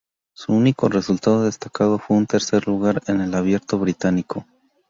Su único resultado destacado fue un tercer lugar en el Abierto Británico.